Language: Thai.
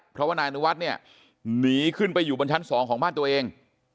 เพราะว่านายอนุวัฒน์เนี่ยหนีขึ้นไปอยู่บนชั้น๒ของบ้านตัวเอง